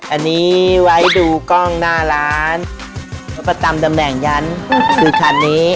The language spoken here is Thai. อันนี้ไว้ดูกล้องหน้าร้านเขาประจำตำแหน่งยันคือคันนี้